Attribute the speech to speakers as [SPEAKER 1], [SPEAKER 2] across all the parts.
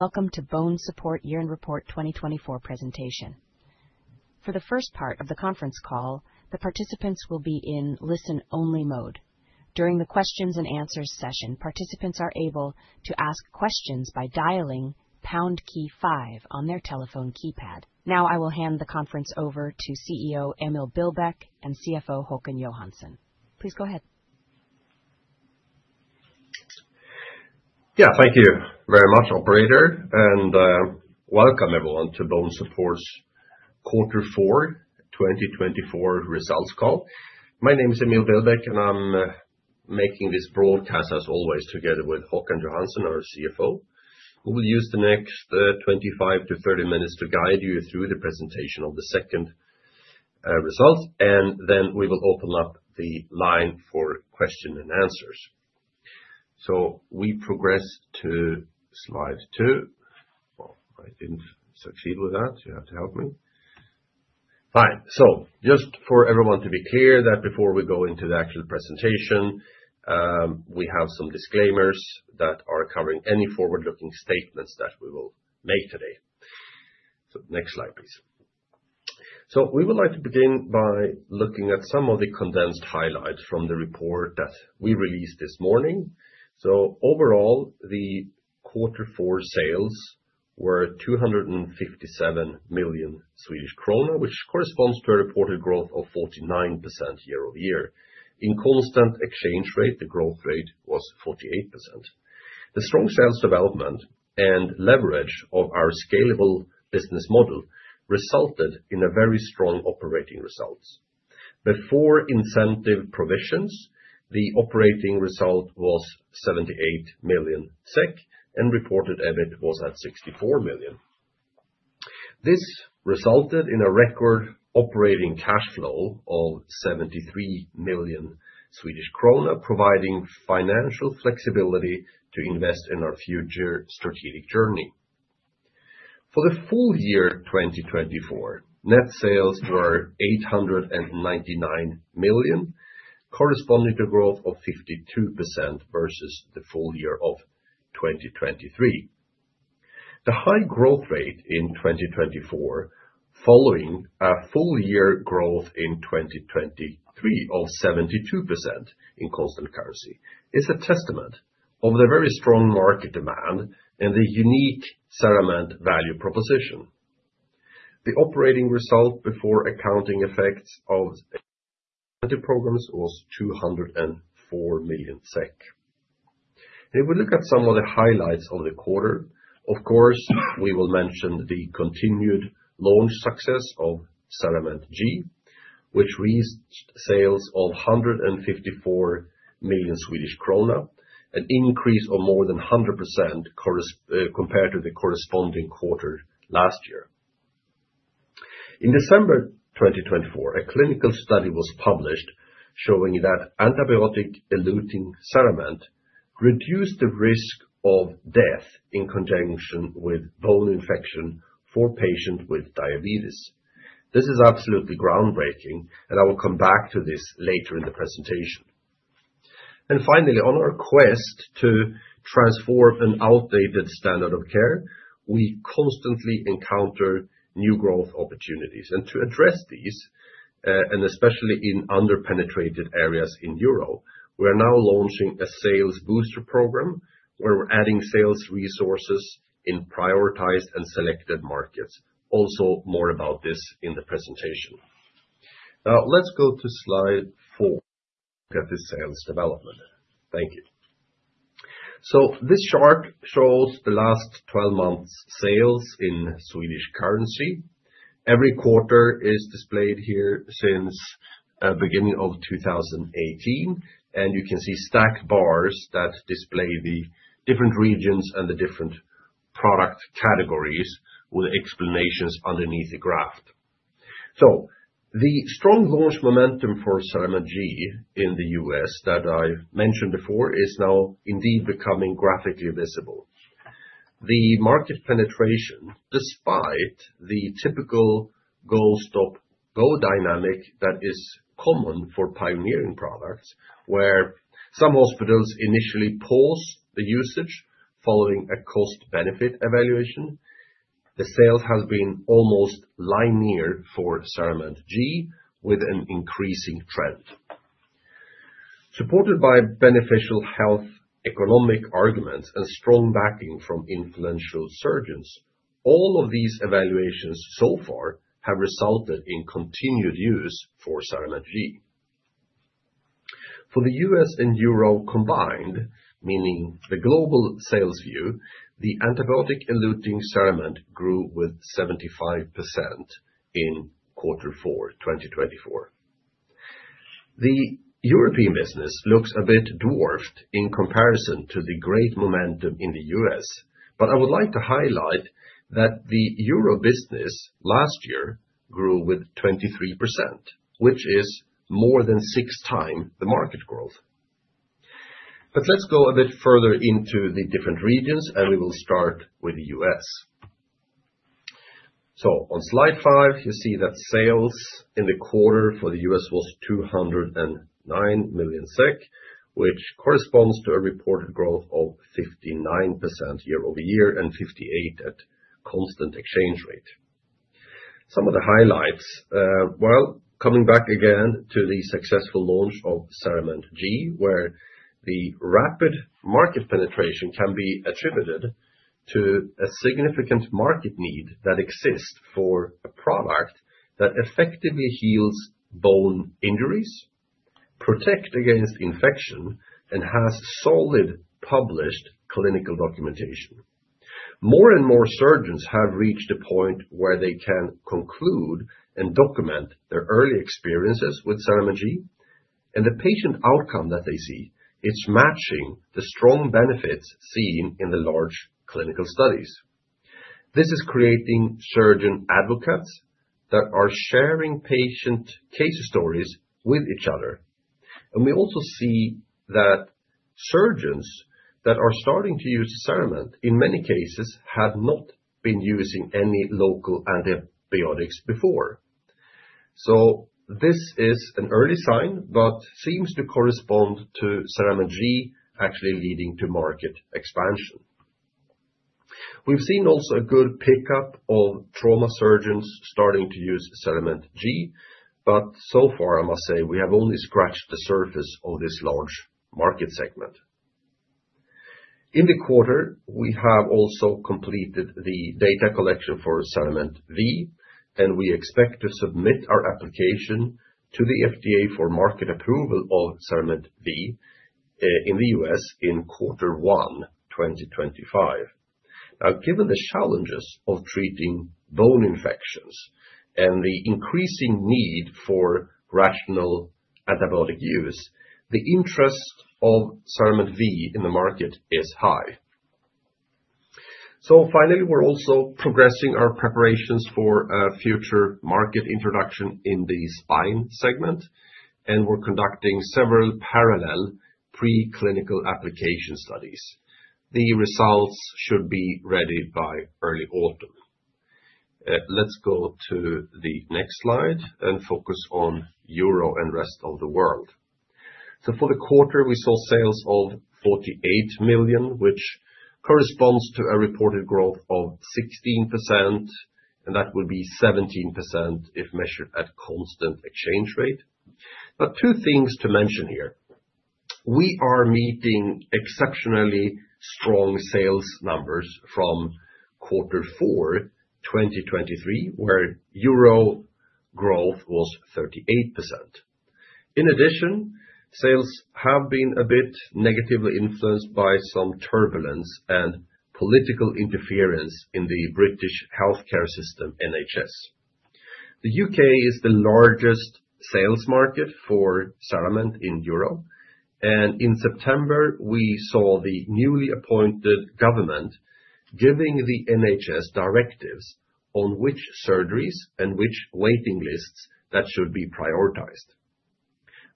[SPEAKER 1] Welcome to BONESUPPORT Year-end Report 2024 presentation. For the first part of the conference call, the participants will be in listen-only mode. During the Q&A session, participants are able to ask questions by dialing #5 on their telephone keypad. Now, I will hand the conference over to CEO Emil Billbäck and CFO Håkan Johansson. Please go ahead.
[SPEAKER 2] Yeah, thank you very much, Operator, and welcome everyone to BONESUPPORT's Q4 2024 results call. My name is Emil Billbäck, and I'm making this broadcast, as always, together with Håkan Johansson, our CFO. We will use the next 25-30 minutes to guide you through the presentation of the second result, and then we will open up the line for Q&A. We progress to slide two. I didn't succeed with that. You have to help me. Fine. Just for everyone to be clear that before we go into the actual presentation, we have some disclaimers that are covering any forward-looking statements that we will make today. Next slide, please. We would like to begin by looking at some of the condensed highlights from the report that we released this morning. Overall, the Q4 sales were 257 million Swedish krona, which corresponds to a reported growth of 49% year over year. In constant exchange rate, the growth rate was 48%. The strong sales development and leverage of our scalable business model resulted in very strong operating results. Before incentive provisions, the operating result was 78 million SEK, and reported EBIT was at 64 million. This resulted in a record operating cash flow of 73 million Swedish krona, providing financial flexibility to invest in our future strategic journey. For the full year 2024, net sales were 899 million, corresponding to a growth of 52% versus the full year of 2023. The high growth rate in 2024, following a full year growth in 2023 of 72% in constant currency, is a testament to the very strong market demand and the unique CERAMENT value proposition. The operating result before accounting effects of the programs was 204 million SEK. If we look at some of the highlights of the quarter, of course, we will mention the continued launch success of CERAMENT G, which reached sales of 154 million Swedish krona, an increase of more than 100% compared to the corresponding quarter last year. In December 2024, a clinical study was published showing that antibiotic-eluting CERAMENT reduced the risk of death in conjunction with bone infection for patients with diabetes. This is absolutely groundbreaking, and I will come back to this later in the presentation. And finally, on our quest to transform an outdated standard of care, we constantly encounter new growth opportunities. And to address these, and especially in under-penetrated areas in Europe, we are now launching a sales booster program where we're adding sales resources in prioritized and selected markets. Also more about this in the presentation. Now, let's go to slide four. Look at this sales development. Thank you. So this chart shows the last 12 months' sales in Swedish currency. Every quarter is displayed here since the beginning of 2018, and you can see stacked bars that display the different regions and the different product categories with explanations underneath the graph. So the strong launch momentum for CERAMENT G in the U.S. that I mentioned before is now indeed becoming graphically visible. The market penetration, despite the typical go-stop-go dynamic that is common for pioneering products, where some hospitals initially pause the usage following a cost-benefit evaluation, the sales have been almost linear for CERAMENT G, with an increasing trend. Supported by beneficial health economic arguments and strong backing from influential surgeons, all of these evaluations so far have resulted in continued use for CERAMENT G. For the US and Europe combined, meaning the global sales view, the antibiotic-eluting CERAMENT grew with 75% in Q4 2024. The European business looks a bit dwarfed in comparison to the great momentum in the US, but I would like to highlight that the European business last year grew with 23%, which is more than six times the market growth. But let's go a bit further into the different regions, and we will start with the US. So on slide five, you see that sales in the quarter for the US was 209 million SEK, which corresponds to a reported growth of 59% year over year and 58% at constant exchange rate. Some of the highlights, well, coming back again to the successful launch of CERAMENT G, where the rapid market penetration can be attributed to a significant market need that exists for a product that effectively heals bone injuries, protects against infection, and has solid published clinical documentation. More and more surgeons have reached a point where they can conclude and document their early experiences with CERAMENT G, and the patient outcome that they see is matching the strong benefits seen in the large clinical studies. This is creating surgeon advocates that are sharing patient case stories with each other. We also see that surgeons that are starting to use CERAMENT, in many cases, have not been using any local antibiotics before. This is an early sign, but seems to correspond to CERAMENT G actually leading to market expansion. We've seen also a good pickup of trauma surgeons starting to use CERAMENT G, but so far, I must say, we have only scratched the surface of this large market segment. In the quarter, we have also completed the data collection for CERAMENT V, and we expect to submit our application to the FDA for market approval of CERAMENT V in the U.S. in Q1 2025. Now, given the challenges of treating bone infections and the increasing need for rational antibiotic use, the interest of CERAMENT V in the market is high. So finally, we're also progressing our preparations for a future market introduction in the spine segment, and we're conducting several parallel preclinical application studies. The results should be ready by early autumn. Let's go to the next slide and focus on Europe and the rest of the world. For the quarter, we saw sales of 48 million, which corresponds to a reported growth of 16%, and that would be 17% if measured at constant exchange rate. But two things to mention here. We are meeting exceptionally strong sales numbers from Q4 2023, where year-over-year growth was 38%. In addition, sales have been a bit negatively influenced by some turbulence and political interference in the British healthcare system, NHS. The UK is the largest sales market for CERAMENT in Europe, and in September, we saw the newly appointed government giving the NHS directives on which surgeries and which waiting lists that should be prioritized.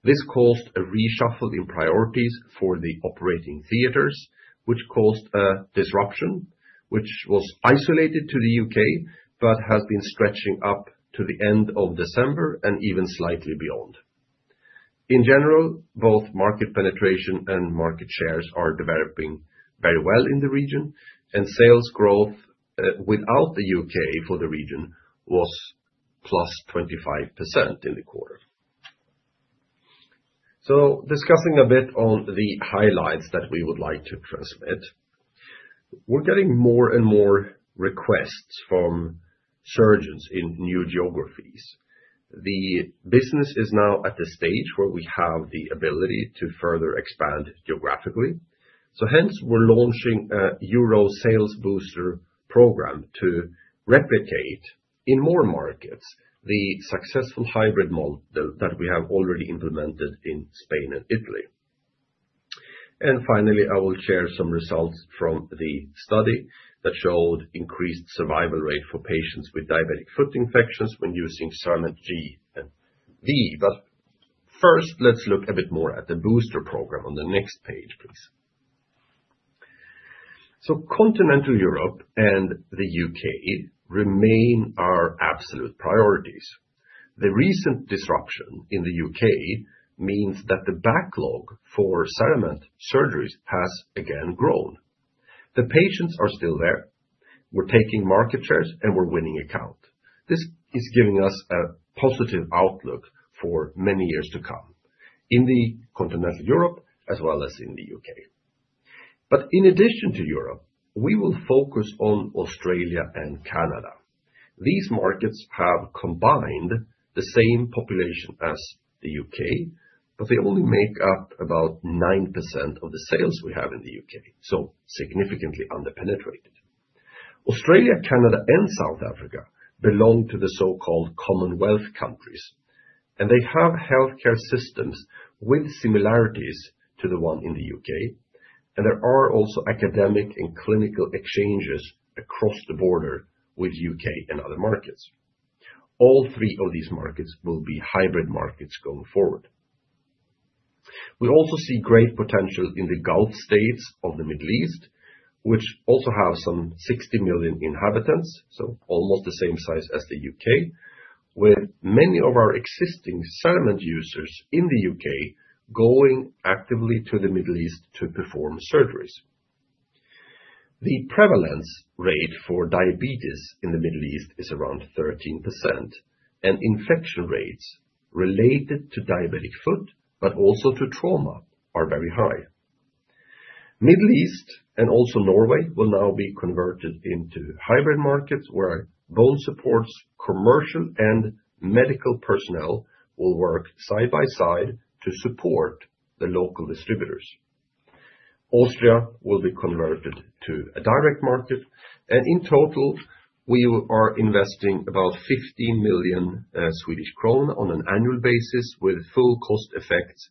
[SPEAKER 2] This caused a reshuffle in priorities for the operating theaters, which caused a disruption, which was isolated to the UK but has been stretching up to the end of December and even slightly beyond. In general, both market penetration and market shares are developing very well in the region, and sales growth without the UK for the region was plus 25% in the quarter, so discussing a bit on the highlights that we would like to transmit. We're getting more and more requests from surgeons in new geographies. The business is now at the stage where we have the ability to further expand geographically, so hence, we're launching a European sales booster program to replicate in more markets the successful hybrid model that we have already implemented in spine and Italy, and finally, I will share some results from the study that showed increased survival rate for patients with diabetic foot infections when using CERAMENT G and V, but first, let's look a bit more at the booster program on the next page, please, so continental Europe and the UK remain our absolute priorities. The recent disruption in the U.K. means that the backlog for CERAMENT surgeries has again grown. The patients are still there. We're taking market shares and we're winning account. This is giving us a positive outlook for many years to come in continental Europe as well as in the U.K. But in addition to Europe, we will focus on Australia and Canada. These markets have combined the same population as the U.K., but they only make up about 9% of the sales we have in the U.K., so significantly under-penetrated. Australia, Canada, and South Africa belong to the so-called Commonwealth countries, and they have healthcare systems with similarities to the one in the U.K., and there are also academic and clinical exchanges across the border with the U.K. and other markets. All three of these markets will be hybrid markets going forward. We also see great potential in the Gulf States of the Middle East, which also have some 60 million inhabitants, so almost the same size as the UK, with many of our existing CERAMENT users in the UK going actively to the Middle East to perform surgeries. The prevalence rate for diabetes in the Middle East is around 13%, and infection rates related to diabetic foot, but also to trauma, are very high. Middle East and also Norway will now be converted into hybrid markets where BONESUPPORT's commercial and medical personnel will work side by side to support the local distributors. Austria will be converted to a direct market, and in total, we are investing about 15 million Swedish krona on an annual basis with full cost effects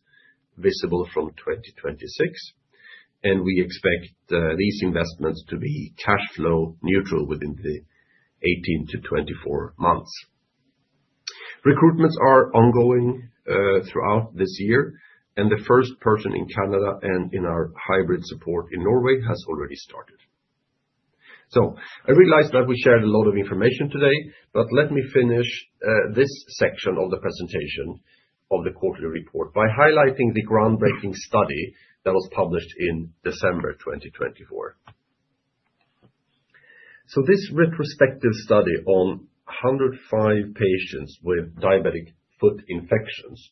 [SPEAKER 2] visible from 2026, and we expect these investments to be cash flow neutral within the 18-24 months. Recruitments are ongoing throughout this year, and the first person in Canada and in our hybrid support in Norway has already started. So I realized that we shared a lot of information today, but let me finish this section of the presentation of the quarterly report by highlighting the groundbreaking study that was published in December 2024. So this retrospective study on 105 patients with diabetic foot infections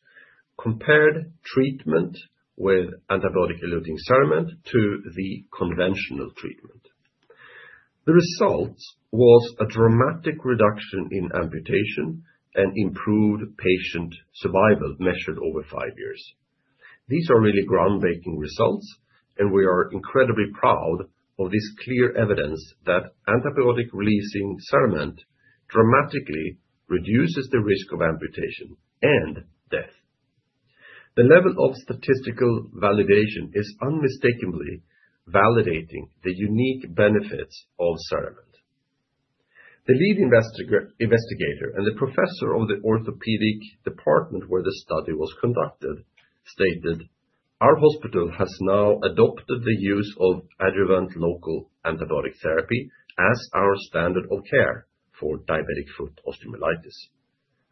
[SPEAKER 2] compared treatment with antibiotic-eluting CERAMENT to the conventional treatment. The result was a dramatic reduction in amputation and improved patient survival measured over five years. These are really groundbreaking results, and we are incredibly proud of this clear evidence that antibiotic-releasing CERAMENT dramatically reduces the risk of amputation and death. The level of statistical validation is unmistakably validating the unique benefits of CERAMENT. The lead investigator and the professor of the orthopedic department where the study was conducted stated, "Our hospital has now adopted the use of adjuvant local antibiotic therapy as our standard of care for diabetic foot osteomyelitis."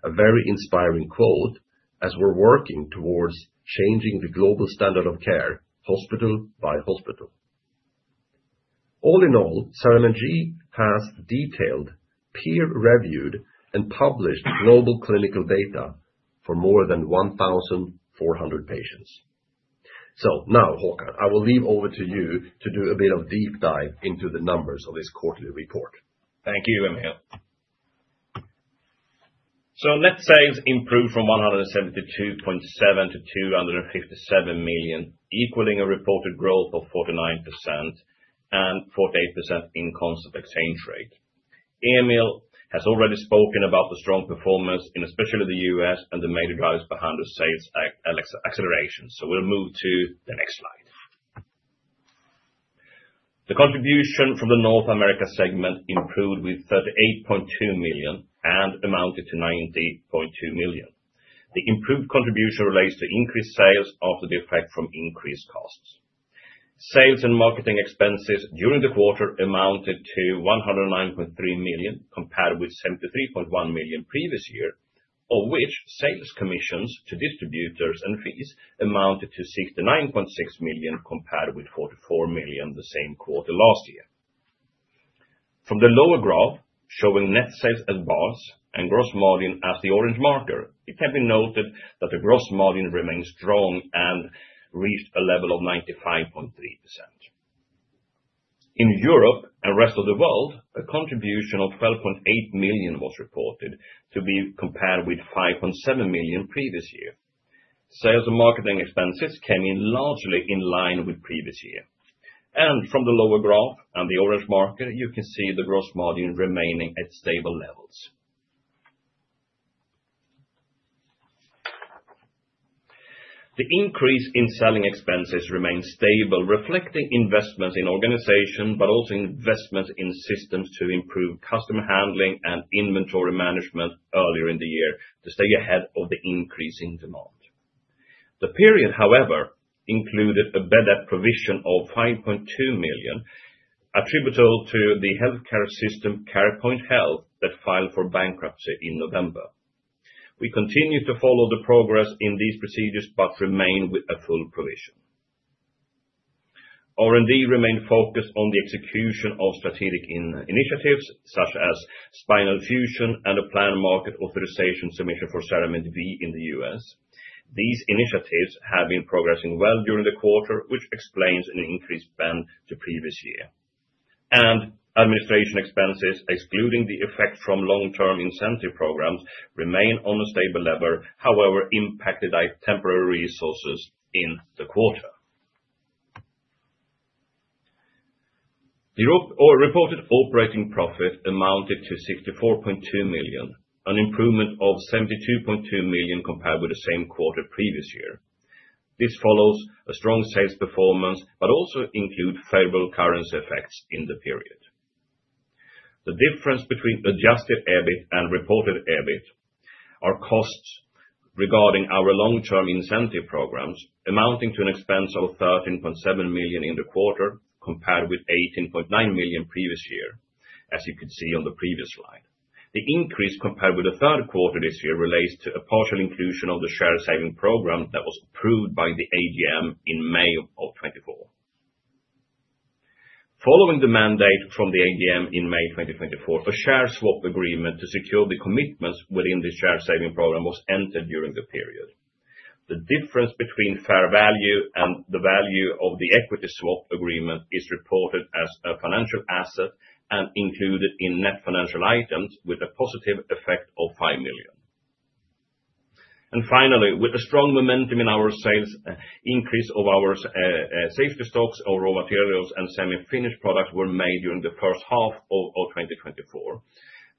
[SPEAKER 2] A very inspiring quote as we're working towards changing the global standard of care, hospital by hospital. All in all, CERAMENT G has detailed, peer-reviewed, and published global clinical data for more than 1,400 patients. So now, Håkan, I will hand over to you to do a bit of a deep dive into the numbers of this quarterly report.
[SPEAKER 3] Thank you, Emil. So net sales improved from 172.7 million to 257 million, equaling a reported growth of 49% and 48% in constant exchange rate. Emil has already spoken about the strong performance, and especially the US and the major drivers behind the sales acceleration. So we'll move to the next slide. The contribution from the North America segment improved with 38.2 million and amounted to 90.2 million. The improved contribution relates to increased sales after the effect from increased costs. Sales and marketing expenses during the quarter amounted to 109.3 million compared with 73.1 million previous year, of which sales commissions to distributors and fees amounted to 69.6 million compared with 44 million the same quarter last year. From the lower graph showing net sales as bars and gross margin as the orange marker, it can be noted that the gross margin remains strong and reached a level of 95.3%. In Europe and the rest of the world, a contribution of 12.8 million was reported to be compared with 5.7 million previous year. Sales and marketing expenses came in largely in line with previous year. From the lower graph and the orange marker, you can see the gross margin remaining at stable levels. The increase in selling expenses remained stable, reflecting investments in organization, but also investments in systems to improve customer handling and inventory management earlier in the year to stay ahead of the increasing demand. The period, however, included a bad debt provision of 5.2 million attributable to the healthcare system CarePoint Health that filed for bankruptcy in November. We continue to follow the progress in these proceedings, but remain with a full provision. R&D remained focused on the execution of strategic initiatives such as spinal fusion and a planned market authorization submission for CERAMENT V in the U.S. These initiatives have been progressing well during the quarter, which explains an increased spend to previous year. Administration expenses, excluding the effect from long-term incentive programs, remain on a stable level, however impacted by temporary resources in the quarter. The reported operating profit amounted to 64.2 million, an improvement of 72.2 million compared with the same quarter previous year. This follows a strong sales performance, but also includes favorable currency effects in the period. The difference between adjusted EBIT and reported EBIT are costs regarding our long-term incentive programs amounting to an expense of 13.7 million in the quarter compared with 18.9 million previous year, as you could see on the previous slide. The increase compared with the third quarter this year relates to a partial inclusion of the share saving program that was approved by the AGM in May of 2024. Following the mandate from the AGM in May 2024, a share swap agreement to secure the commitments within the share saving program was entered during the period. The difference between fair value and the value of the equity swap agreement is reported as a financial asset and included in net financial items with a positive effect of 5 million. And finally, with a strong momentum in our sales, an increase of our safety stocks of raw materials and semi-finished products was made during the first half of 2024.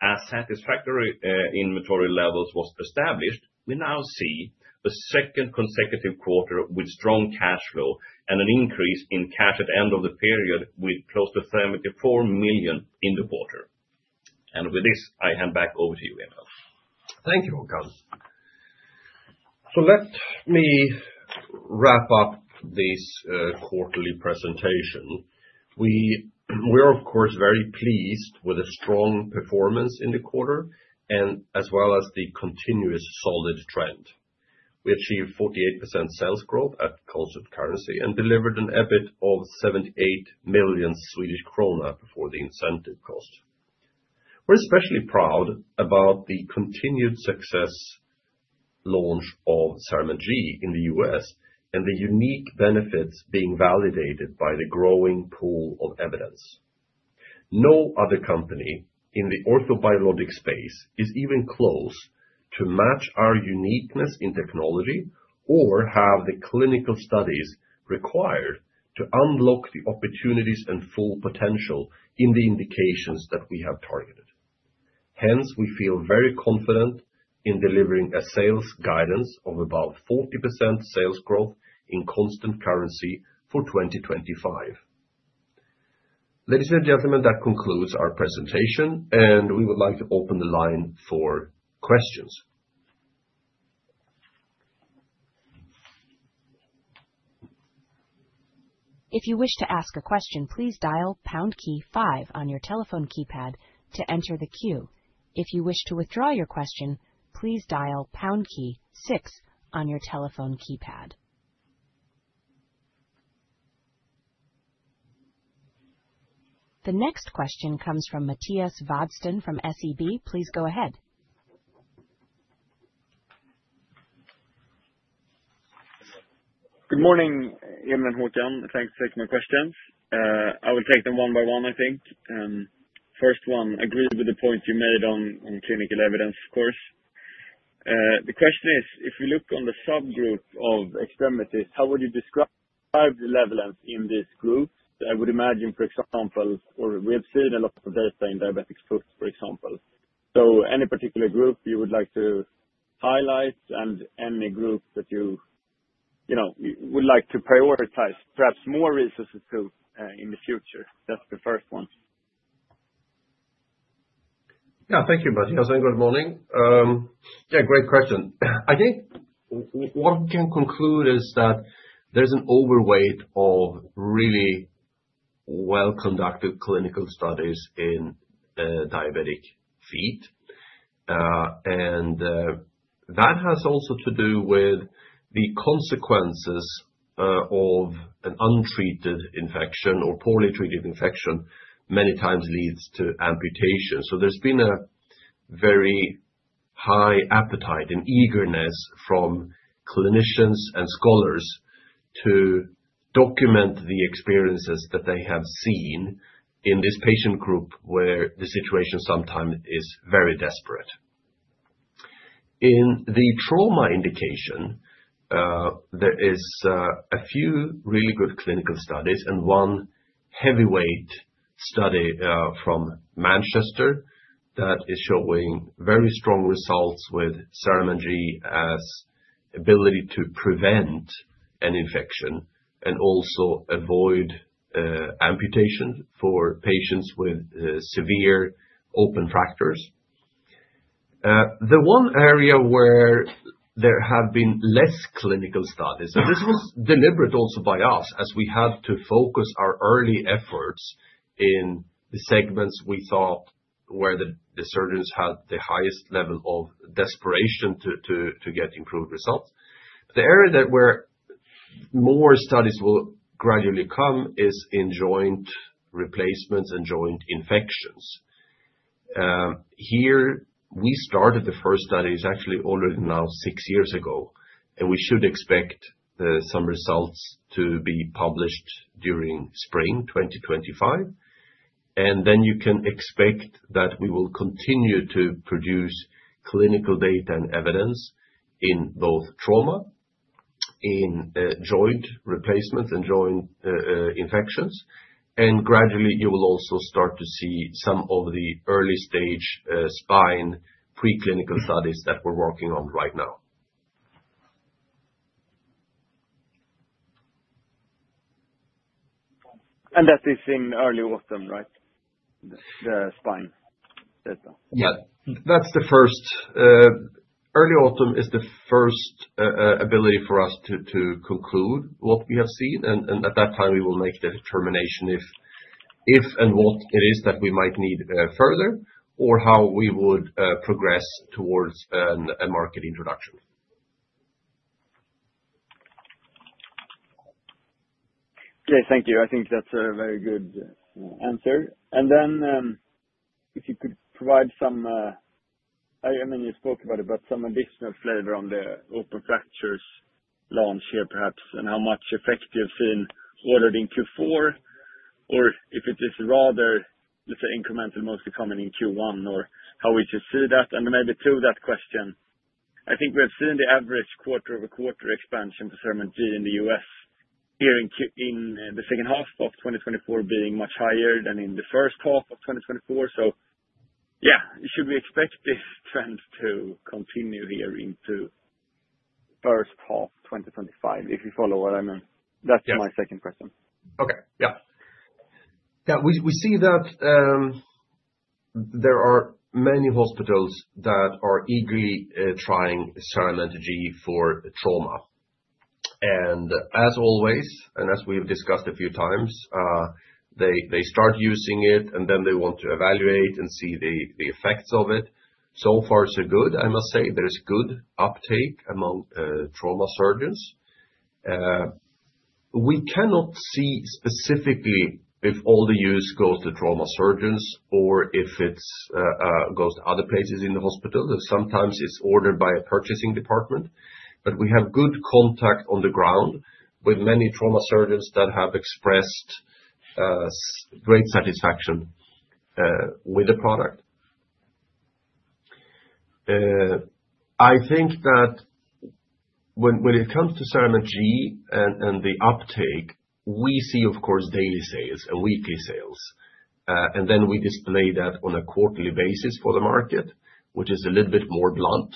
[SPEAKER 3] As satisfactory inventory levels were established, we now see the second consecutive quarter with strong cash flow and an increase in cash at the end of the period with close to 74 million in the quarter. And with this, I hand back over to you, Emil.
[SPEAKER 2] Thank you, Håkan. So let me wrap up this quarterly presentation. We are, of course, very pleased with the strong performance in the quarter and as well as the continuous solid trend. We achieved 48% sales growth at constant currency and delivered an EBIT of 78 million Swedish krona before the incentive cost. We're especially proud about the continued success launch of CERAMENT G in the U.S. and the unique benefits being validated by the growing pool of evidence. No other company in the orthobiologics space is even close to match our uniqueness in technology or have the clinical studies required to unlock the opportunities and full potential in the indications that we have targeted. Hence, we feel very confident in delivering a sales guidance of about 40% sales growth in constant currency for 2025. Ladies and gentlemen, that concludes our presentation, and we would like to open the line for questions.
[SPEAKER 1] If you wish to ask a question, please dial pound key five on your telephone keypad to enter the queue. If you wish to withdraw your question, please dial pound key six on your telephone keypad. The next question comes from Mattias Vadsten from SEB. Please go ahead.
[SPEAKER 4] Good morning, Emil and Håkan. Thanks for taking my questions. I will take them one by one, I think. First one, I agree with the point you made on clinical evidence, of course. The question is, if we look on the subgroup of extremities, how would you describe the level in this group? I would imagine, for example, or we have seen a lot of data in diabetic foot, for example. So any particular group you would like to highlight and any group that you would like to prioritize perhaps more resources to in the future? That's the first one.
[SPEAKER 2] Yeah, thank you, Mattias. And good morning. Yeah, great question. I think what we can conclude is that there's an overweight of really well-conducted clinical studies in diabetic feet. And that has also to do with the consequences of an untreated infection or poorly treated infection many times leads to amputation. So there's been a very high appetite and eagerness from clinicians and scholars to document the experiences that they have seen in this patient group where the situation sometimes is very desperate. In the trauma indication, there are a few really good clinical studies and one heavyweight study from Manchester that is showing very strong results with CERAMENT G's ability to prevent an infection and also avoid amputation for patients with severe open fractures. The one area where there have been less clinical studies, and this was deliberate also by us as we had to focus our early efforts in the segments we thought where the surgeons had the highest level of desperation to get improved results. The area where more studies will gradually come is in joint replacements and joint infections. Here, we started the first studies actually already now six years ago, and we should expect some results to be published during spring 2025, and then you can expect that we will continue to produce clinical data and evidence in both trauma, in joint replacements, and joint infections, and gradually, you will also start to see some of the early-stage spine preclinical studies that we're working on right now,
[SPEAKER 4] And that is in early autumn, right? The spine data.
[SPEAKER 2] Yeah, that's the first. Early autumn is the first ability for us to conclude what we have seen, and at that time, we will make the determination if and what it is that we might need further or how we would progress towards a market introduction.
[SPEAKER 4] Okay, thank you. I think that's a very good answer, and then if you could provide some, I mean, you spoke about it, but some additional flavor on the open fractures launch here perhaps, and how much effect you've seen ordered in Q4, or if it is rather, let's say, incremental mostly coming in Q1, or how would you see that? And maybe to that question, I think we have seen the average quarter-over-quarter expansion for CERAMENT G in the U.S. here in the second half of 2024 being much higher than in the first half of 2024
[SPEAKER 2] I think that when it comes to CERAMENT G and the uptake, we see, of course, daily sales and weekly sales. And then we display that on a quarterly basis for the market, which is a little bit more blunt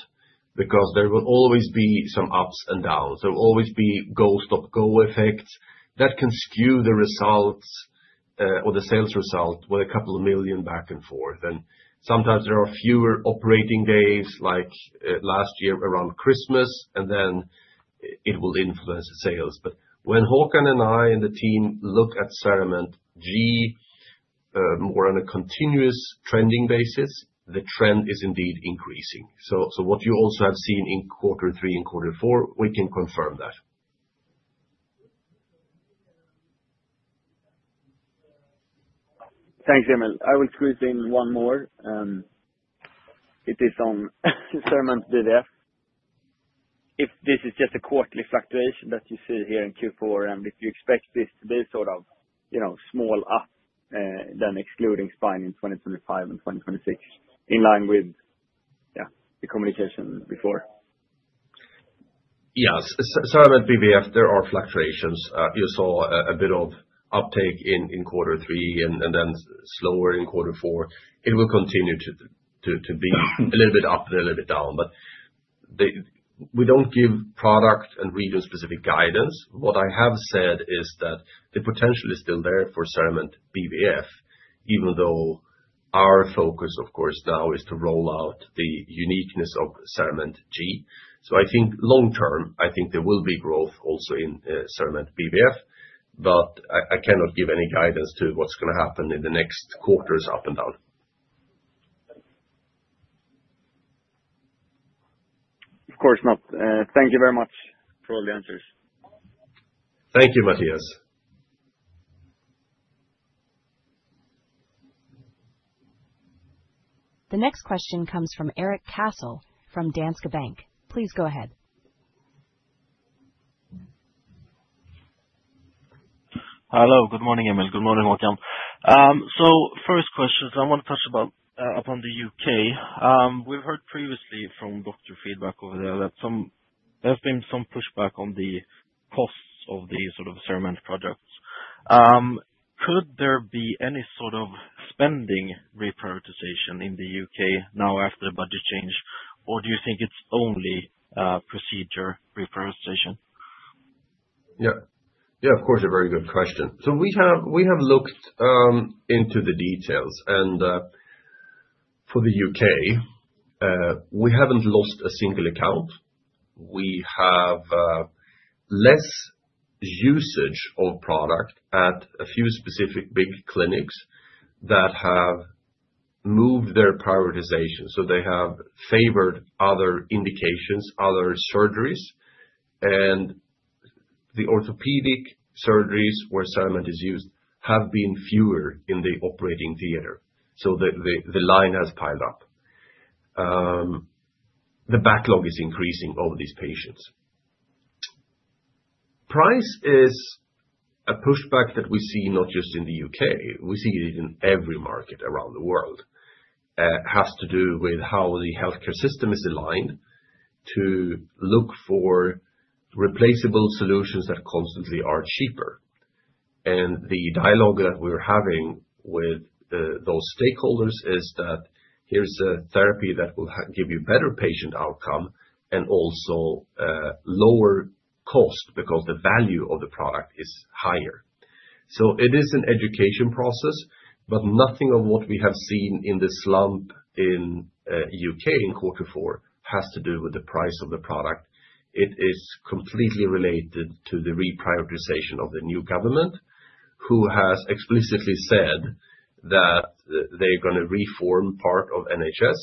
[SPEAKER 2] because there will always be some ups and downs. There will always be go-stop-go effects that can skew the results or the sales result with a couple of million back and forth. And sometimes there are fewer operating days like last year around Christmas, and then it will influence sales. But when Håkan and I and the team look at CERAMENT G more on a continuous trending basis, the trend is indeed increasing. So what you also have seen in quarter three and quarter four, we can confirm that.
[SPEAKER 4] Thanks, Emil. I will squeeze in one more. It is on CERAMENT BVF. If this is just a quarterly fluctuation that you see here in Q4, and if you expect this to be sort of small up, then excluding spine in 2025 and 2026 in line with, yeah, the communication before.
[SPEAKER 2] Yes, CERAMENT BVF, there are fluctuations. You saw a bit of uptake in quarter three and then slower in quarter four. It will continue to be a little bit up and a little bit down. But we don't give product and region-specific guidance. What I have said is that the potential is still there for CERAMENT BVF, even though our focus, of course, now is to roll out the uniqueness of CERAMENT G. So I think long-term, I think there will be growth also in CERAMENT BVF, but I cannot give any guidance to what's going to happen in the next quarter's up and down.
[SPEAKER 4] Of course, Matt. Thank you very much for all the answer.
[SPEAKER 2] Thank you, Mattias.
[SPEAKER 1] The next question comes from Erik Cassel from Danske Bank. Please go ahead.
[SPEAKER 5] Hello, good morning, Emil. Good morning, Håkan. So first question, so I want to touch upon the UK. We've heard previously from doctor feedback over there that there's been some pushback on the costs of the sort of CERAMENT products. Could there be any sort of spending reprioritization in the UK now after the budget change, or do you think it's only procedure reprioritization?
[SPEAKER 2] Yeah, yeah, of course, a very good question. So we have looked into the details, and for the UK, we haven't lost a single account. We have less usage of product at a few specific big clinics that have moved their prioritization. So they have favored other indications, other surgeries. And the orthopedic surgeries where CERAMENT is used have been fewer in the operating theater. So the line has piled up. The backlog is increasing of these patients. Price is a pushback that we see not just in the UK. We see it in every market around the world. It has to do with how the healthcare system is aligned to look for replaceable solutions that constantly are cheaper. And the dialogue that we're having with those stakeholders is that here's a therapy that will give you better patient outcome and also lower cost because the value of the product is higher. So it is an education process, but nothing of what we have seen in the slump in UK in quarter four has to do with the price of the product. It is completely related to the reprioritization of the new government who has explicitly said that they're going to reform part of NHS.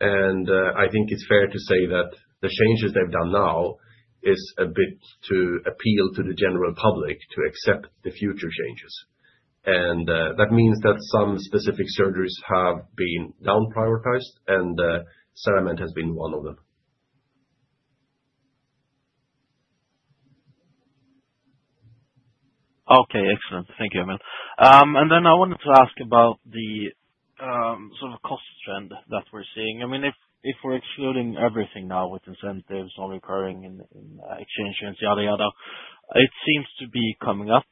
[SPEAKER 2] And I think it's fair to say that the changes they've done now are a bit to appeal to the general public to accept the future changes. And that means that some specific surgeries have been downprioritized, and CERAMENT has been one of them.
[SPEAKER 5] Okay, excellent. Thank you, Emil. And then I wanted to ask about the sort of cost trend that we're seeing. I mean, if we're excluding everything now with incentives on recurring and exchange rates yada yada, it seems to be coming up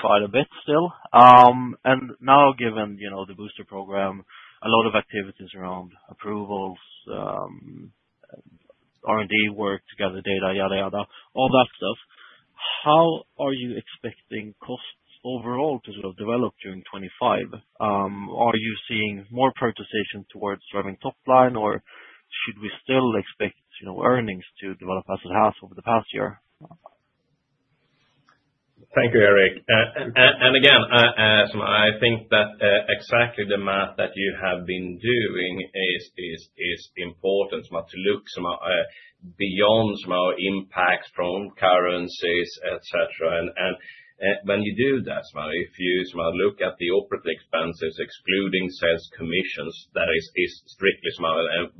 [SPEAKER 5] quite a bit still. And now, given the booster program, a lot of activities around approvals, R&D work, together data, yada yada, all that stuff. How are you expecting costs overall to sort of develop during 2025? Are you seeing more prioritization towards driving top line, or should we still expect earnings to develop as it has over the past year?
[SPEAKER 3] Thank you, Erik. And again, I think that exactly the math that you have been doing is important, to look beyond impact from currencies, etc. And when you do that, if you look at the operating expenses, excluding sales commissions, that is strictly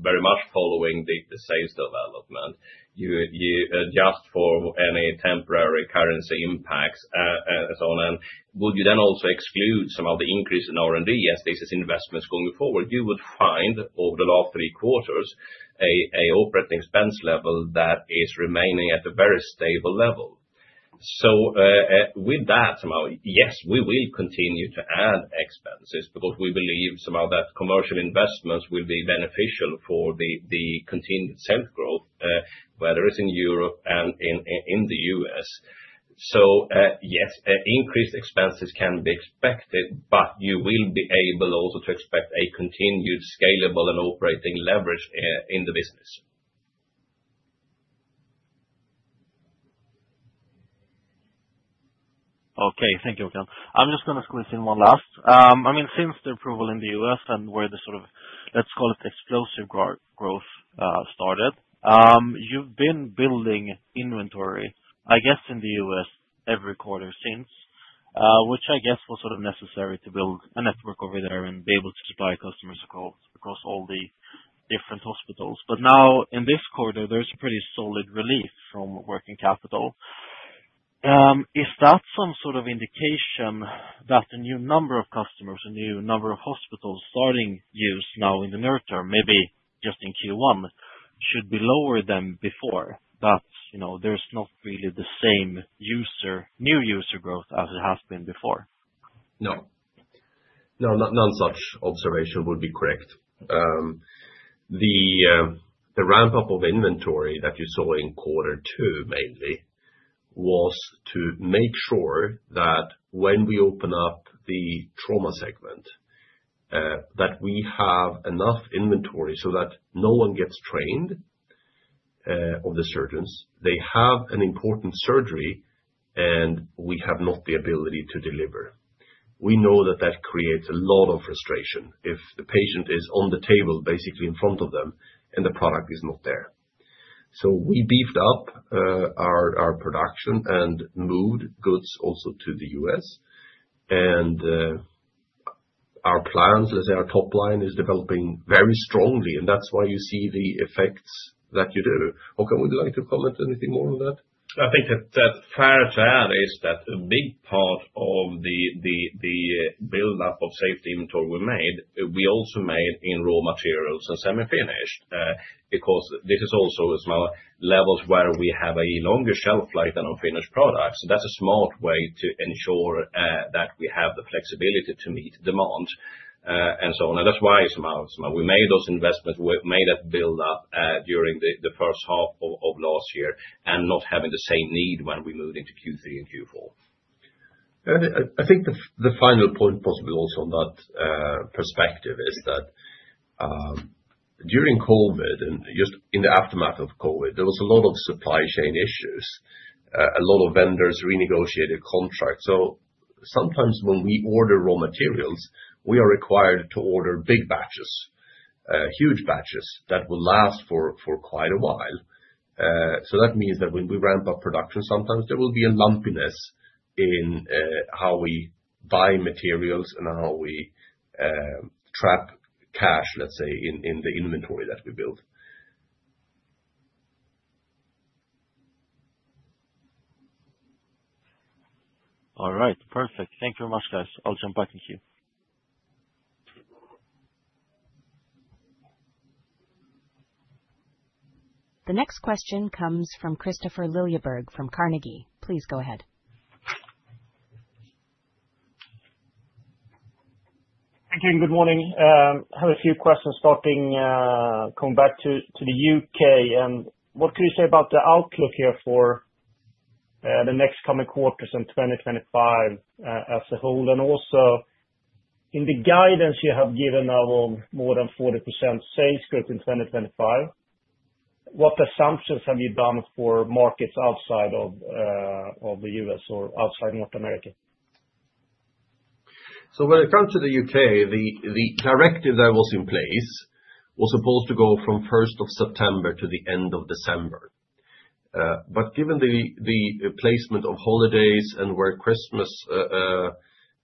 [SPEAKER 3] very much following the sales development. You adjust for any temporary currency impacts and so on. And would you then also exclude some of the increase in R&D as this is investments going forward? You would find over the last three quarters an operating expense level that is remaining at a very stable level. So with that, yes, we will continue to add expenses because we believe that commercial investments will be beneficial for the continued sales growth, whether it's in Europe and in the U.S. So yes, increased expenses can be expected, but you will be able also to expect a continued scalable and operating leverage in the business.
[SPEAKER 5] Okay, thank you, Håkan. I'm just going to squeeze in one last. I mean, since the approval in the U.S. and where the sort of, let's call it explosive growth started, you've been building inventory, I guess, in the U.S. every quarter since, which I guess was sort of necessary to build a network over there and be able to supply customers across all the different hospitals. But now, in this quarter, there's pretty solid relief from working capital. Is that some sort of indication that the new number of customers, the new number of hospitals starting use now in the near term, maybe just in Q1, should be lower than before? That there's not really the same new user growth as it has been before.
[SPEAKER 2] No. No, no such observation would be correct. The ramp-up of inventory that you saw in quarter two, mainly, was to make sure that when we open up the trauma segment, that we have enough inventory so that no one gets turned off, the surgeons. They have an important surgery, and we have not the ability to deliver. We know that that creates a lot of frustration if the patient is on the table, basically in front of them, and the product is not there. So we beefed up our production and moved goods also to the US. Our plans, let's say our top line is developing very strongly, and that's why you see the effects that you do. Håkan, would you like to comment anything more on that?
[SPEAKER 3] I think that's fair to add is that a big part of the build-up of safety inventory we made, we also made in raw materials and semi-finished because this is also levels where we have a longer shelf life than unfinished products. That's a smart way to ensure that we have the flexibility to meet demand and so on. That's why we made those investments, made that build-up during the first half of last year and not having the same need when we moved into Q3 and Q4. I think the final point possibly also on that perspective is that during COVID and just in the aftermath of COVID, there was a lot of supply chain issue.
[SPEAKER 2] A lot of vendors renegotiated contracts. So sometimes when we order raw materials, we are required to order big batches, huge batches that will last for quite a while. So that means that when we ramp up production, sometimes there will be a lumpiness in how we buy materials and how we trap cash, let's say, in the inventory that we build.
[SPEAKER 5] All right, perfect. Thank you very much, guys. I'll jump back in here.
[SPEAKER 1] The next question comes from Kristofer Liljeberg from Carnegie. Please go ahead.
[SPEAKER 6] Thank you and good morning. I have a few questions coming back to the UK, and what can you say about the outlook here for the next coming quarters in 2025 as a whole? And also in the guidance you have given of more than 40% sales growth in 2025, what assumptions have you done for markets outside of the US or outside North America?
[SPEAKER 2] So when it comes to the UK, the directive that was in place was supposed to go from 1st of September to the end of December. But given the placement of holidays and where Christmas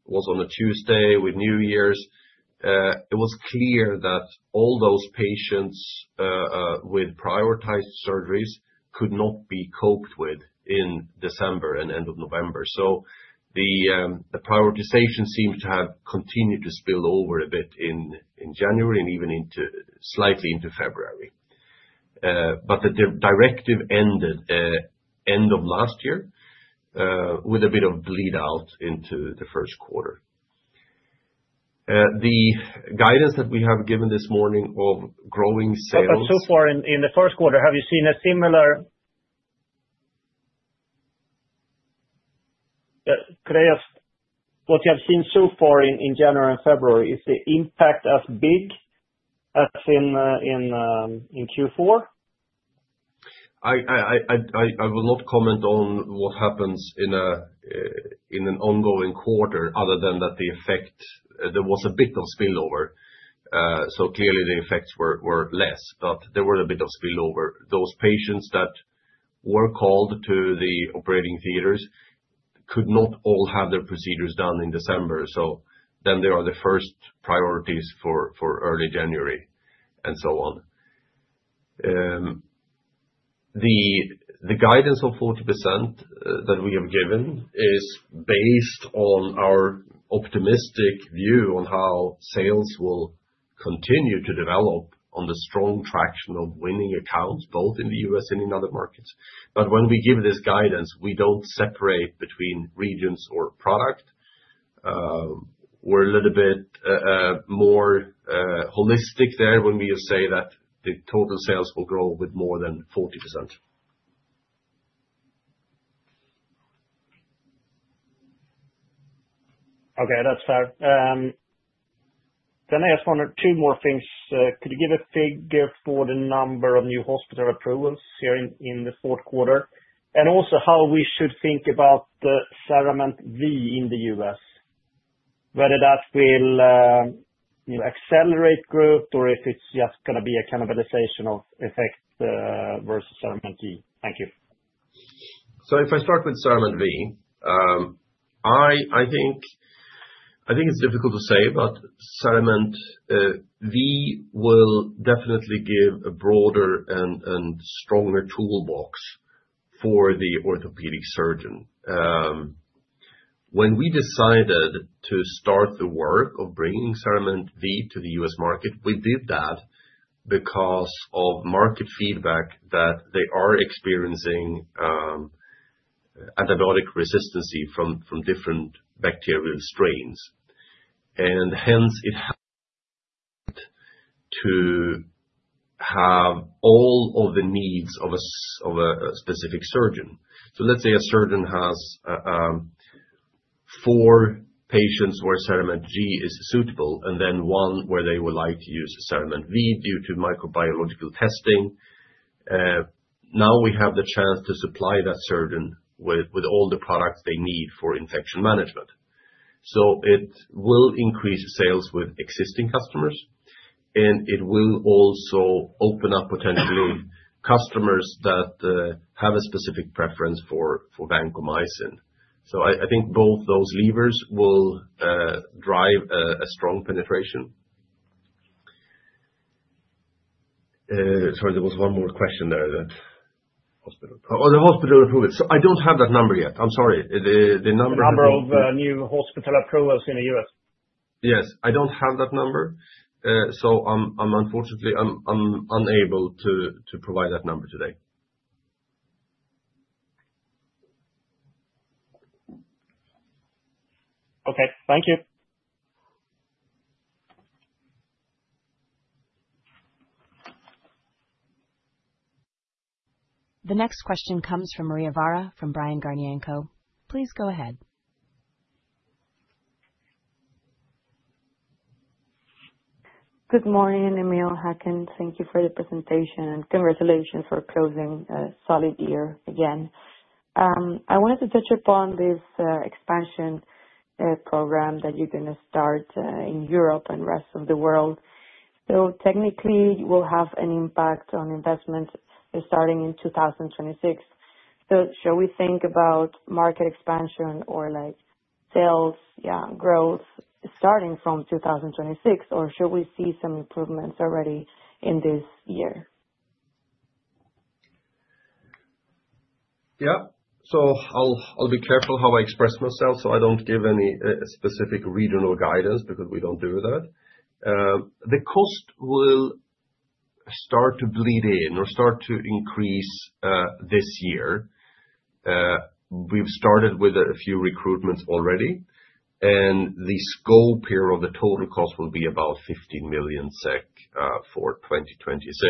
[SPEAKER 2] was on a Tuesday with New Year's, it was clear that all those patients with prioritized surgeries could not be coped with in December and end of November. So the prioritization seems to have continued to spill over a bit in January and even slightly into February. But the directive ended end of last year with a bit of bleed out into the first quarter. The guidance that we have given this morning of growing sales.
[SPEAKER 6] But so far in the first quarter, have you seen a similar? Could I ask what you have seen so far in January and February? Is the impact as big as in Q4?
[SPEAKER 2] I will not comment on what happens in an ongoing quarter other than that the effect there was a bit of spillover. So clearly, the effects were less, but there were a bit of spillover. Those patients that were called to the operating theaters could not all have their procedures done in December. So then they are the first priorities for early January and so on. The guidance of 40% that we have given is based on our optimistic view on how sales will continue to develop on the strong traction of winning accounts, both in the U.S. and in other markets. But when we give this guidance, we don't separate between regions or product. We're a little bit more holistic there when we say that the total sales will grow with more than 40%.
[SPEAKER 6] Okay, that's fair. Then I just wanted two more things. Could you give a figure for the number of new hospital approvals here in the fourth quarter? And also how we should think about CERAMENT V in the U.S., whether that will accelerate growth or if it's just going to be a cannibalization of effect versus CERAMENT G.
[SPEAKER 2] Thank you. So if I start with CERAMENT V, I think it's difficult to say, but CERAMENT V will definitely give a broader and stronger toolbox for the orthopedic surgeon. When we decided to start the work of bringing CERAMENT V to the U.S. market, we did that because of market feedback that they are experiencing antibiotic resistance from different bacterial strains. And hence, it helped to have all of the needs of a specific surgeon. So let's say a surgeon has four patients where CERAMENT G is suitable and then one where they would like to use CERAMENT V due to microbiological testing. Now we have the chance to supply that surgeon with all the products they need for infection management. So it will increase sales with existing customers, and it will also open up potentially customers that have a specific preference for vancomycin. So I think both those levers will drive a strong penetration. Sorry, there was one more question there that hospital approved. Oh, the hospital approved. So I don't have that number yet. I'm sorry. The number of new hospital approvals in the U.S. Yes, I don't have that number. So unfortunately, I'm unable to provide that number today. Okay, thank you.
[SPEAKER 1] The next question comes from Maria Vara from Bryan, Garnier & Co. Please go ahead.
[SPEAKER 7] Good morning, Emil Billbäck. Thank you for the presentation and congratulations for closing a solid year again. I wanted to touch upon this expansion program that you're going to start in Europe and rest of the world. So technically, we'll have an impact on investments starting in 2026. So shall we think about market expansion or sales, yeah, growth starting from 2026, or should we see some improvements already in this year?
[SPEAKER 2] Yeah. So I'll be careful how I express myself so I don't give any specific regional guidance because we don't do that. The cost will start to bleed in or start to increase this year. We've started with a few recruitments already, and the scope here of the total cost will be about 15 million SEK for 2026.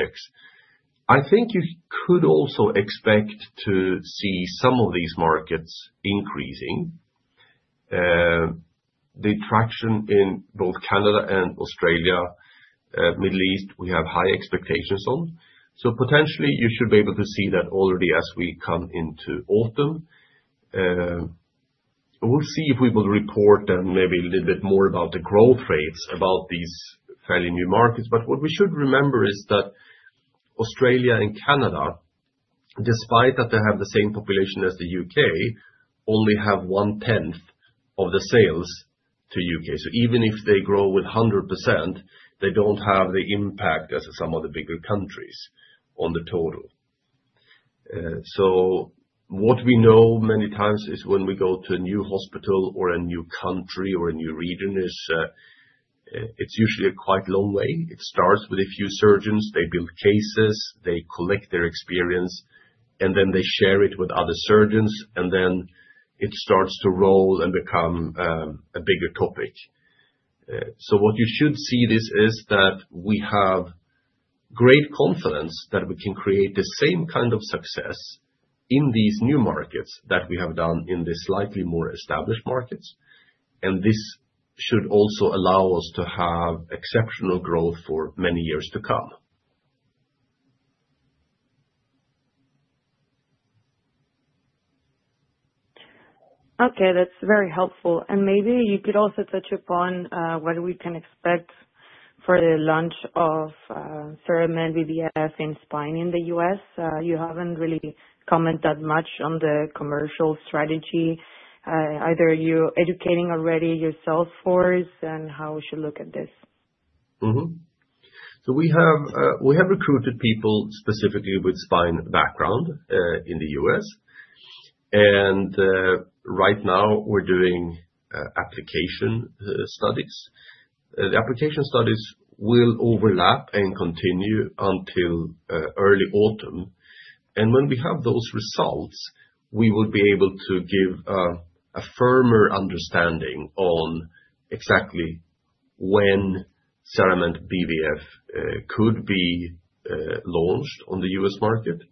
[SPEAKER 2] I think you could also expect to see some of these markets increasing. The traction in both Canada and Australia, Middle East, we have high expectations on. So potentially, you should be able to see that already as we come into autumn. We'll see if we will report then maybe a little bit more about the growth rates about these fairly new markets. But what we should remember is that Australia and Canada, despite that they have the same population as the UK, only have one-tenth of the sales as the UK. So even if they grow with 100%, they don't have the impact as some of the bigger countries on the total. So what we know many times is when we go to a new hospital or a new country or a new region, it's usually a quite long way. It starts with a few surgeons. They build cases. They collect their experience, and then they share it with other surgeons, and then it starts to roll and become a bigger topic. So, what you should see is that we have great confidence that we can create the same kind of success in these new markets that we have done in the slightly more established markets. This should also allow us to have exceptional growth for many years to come.
[SPEAKER 7] Okay, that's very helpful. Maybe you could also touch upon what we can expect for the launch of CERAMENT BVF in spine in the US. You haven't really commented that much on the commercial strategy. Either you're educating already your sales force and how we should look at this.
[SPEAKER 2] We have recruited people specifically with Spanish background in the US. Right now, we're doing application studies. The application studies will overlap and continue until early autumn, and when we have those results, we will be able to give a firmer understanding on exactly when CERAMENT BVF could be launched on the U.S. market.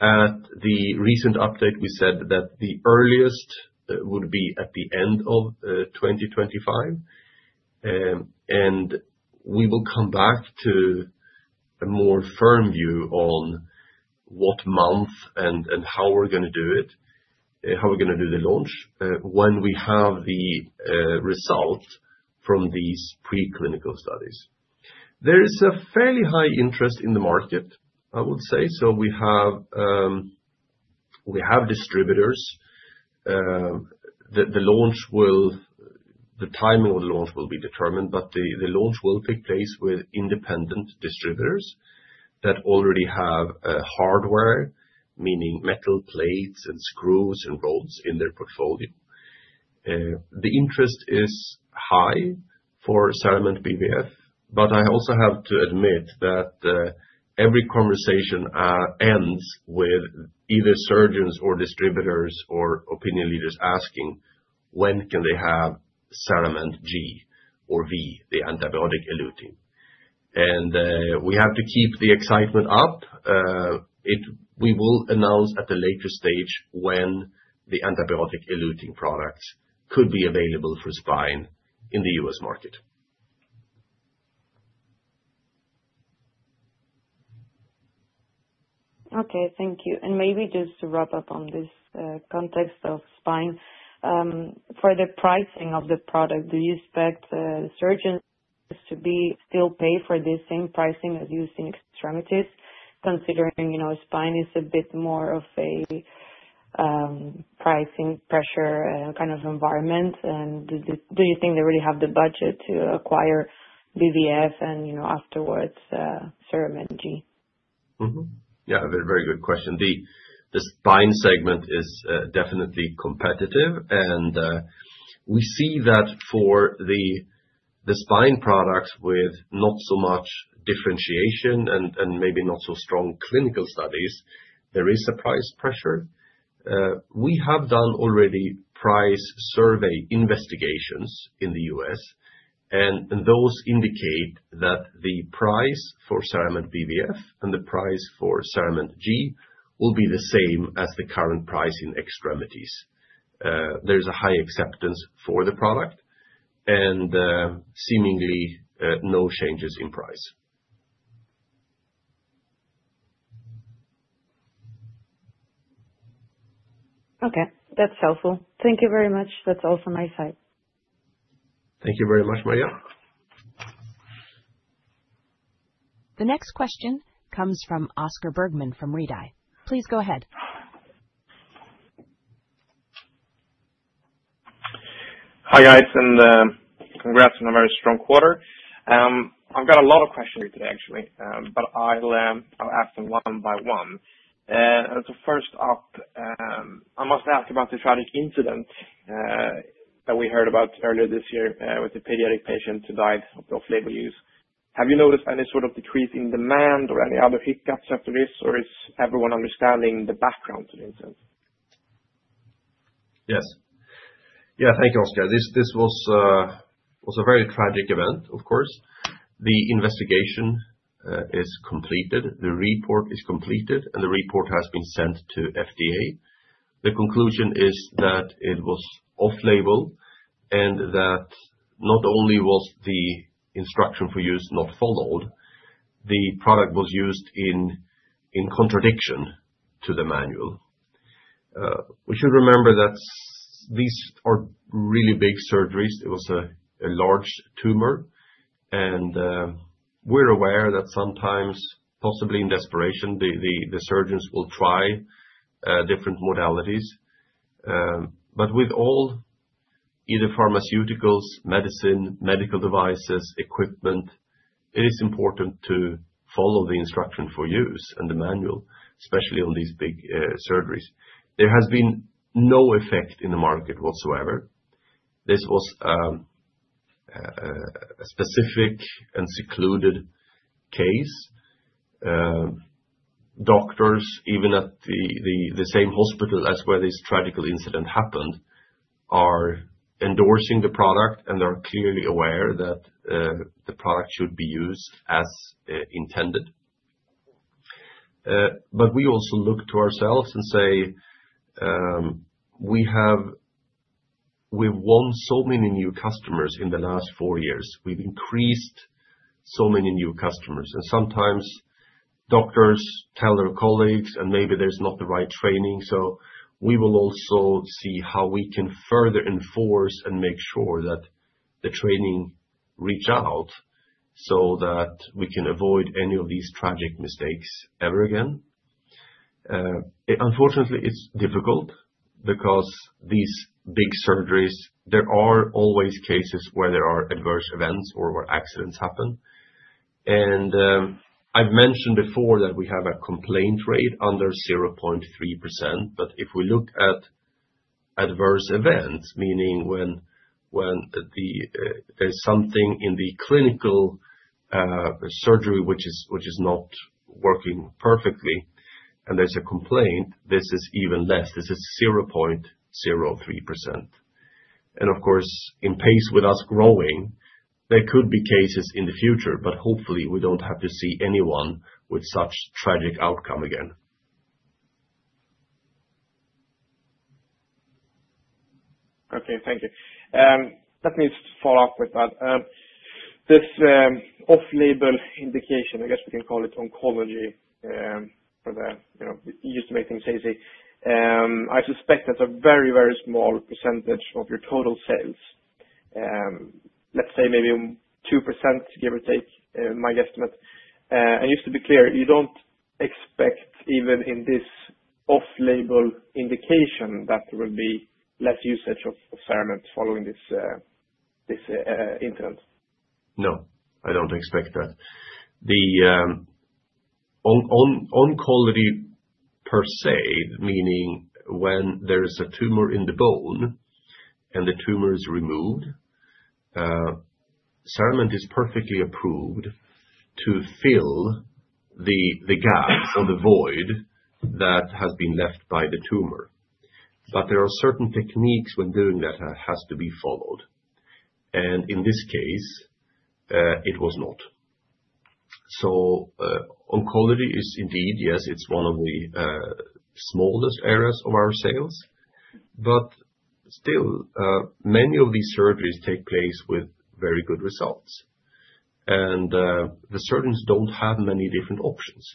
[SPEAKER 2] At the recent update, we said that the earliest would be at the end of 2025, and we will come back to a more firm view on what month and how we're going to do it, how we're going to do the launch when we have the result from these preclinical studies. There is a fairly high interest in the market, I would say. So we have distributors. The timing of the launch will be determined, but the launch will take place with independent distributors that already have hardware, meaning metal plates and screws and rods in their portfolio. The interest is high for CERAMENT BVF, but I also have to admit that every conversation ends with either surgeons or distributors or opinion leaders asking, "When can they have CERAMENT G or V, the antibiotic eluting?" And we have to keep the excitement up. We will announce at the later stage when the antibiotic eluting products could be available for spine in the U.S. market.
[SPEAKER 7] Okay, thank you. And maybe just to wrap up on this context of spine, for the pricing of the product, do you expect surgeons to still pay for the same pricing as used in extremities, considering spine is a bit more of a pricing pressure kind of environment? And do you think they really have the budget to acquire BVF and afterwards CERAMENT G? Yeah, very good question. The spine segment is definitely competitive.
[SPEAKER 2] And we see that for the spine products with not so much differentiation and maybe not so strong clinical studies, there is a price pressure. We have done already price survey investigations in the U.S., and those indicate that the price for CERAMENT BVF and the price for CERAMENT G will be the same as the current price in extremities. There is a high acceptance for the product and seemingly no changes in price.
[SPEAKER 7] Okay, that's helpful. Thank you very much. That's all from my side.
[SPEAKER 2] Thank you very much, Maria.
[SPEAKER 1] The next question comes from Oscar Bergman from Redeye. Please go ahead.
[SPEAKER 8] Hi, guys, and congrats on a very strong quarter. I've got a lot of questions here today, actually, but I'll ask them one by one. So first up, I must ask about the tragic incident that we heard about earlier this year with a pediatric patient who died off-label use. Have you noticed any sort of decrease in demand or any other hiccups after this, or is everyone understanding the background to the incident?
[SPEAKER 2] Yes. Yeah, thank you, Oscar. This was a very tragic event, of course. The investigation is completed. The report is completed, and the report has been sent to FDA. The conclusion is that it was off-label and that not only was the instruction for use not followed, the product was used in contradiction to the manual. We should remember that these are really big surgeries. It was a large tumor, and we're aware that sometimes, possibly in desperation, the surgeons will try different modalities. But with all other pharmaceuticals, medicine, medical devices, equipment, it is important to follow the Instructions for Use and the manual, especially on these big surgeries. There has been no effect in the market whatsoever. This was a specific and isolated case. Doctors, even at the same hospital as where this tragic incident happened, are endorsing the product, and they're clearly aware that the product should be used as intended. But we also look to ourselves and say we've won so many new customers in the last four years. We've increased so many new customers. And sometimes doctors tell their colleagues, and maybe there's not the right training. So we will also see how we can further enforce and make sure that the training reaches out so that we can avoid any of these tragic mistakes ever again. Unfortunately, it's difficult because these big surgeries, there are always cases where there are adverse events or where accidents happen. And I've mentioned before that we have a complaint rate under 0.3%. But if we look at adverse events, meaning when there's something in the clinical surgery which is not working perfectly and there's a complaint, this is even less. This is 0.03%. And of course, in pace with us growing, there could be cases in the future, but hopefully, we don't have to see anyone with such tragic outcome again.
[SPEAKER 8] Okay, thank you. Let me just follow up with that. This off-label indication, I guess we can call it oncology for the use to make things easy. I suspect that's a very, very small percentage of your total sales. Let's say maybe 2%, give or take, my guesstimate. Just to be clear, you don't expect even in this off-label indication that there will be less usage of CERAMENT following this incident?
[SPEAKER 2] No, I don't expect that. Oncology per se, meaning when there is a tumor in the bone and the tumor is removed, CERAMENT is perfectly approved to fill the gap or the void that has been left by the tumor. But there are certain techniques when doing that that has to be followed. In this case, it was not. So oncology is indeed, yes, it's one of the smallest areas of our sales. But still, many of these surgeries take place with very good results. The surgeons don't have many different options.